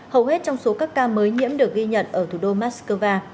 hầu hết trong số các ca mới nhiễm được ghi nhận ở thủ đô moscow